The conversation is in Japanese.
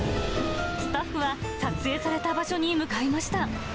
スタッフは撮影された場所に向かいました。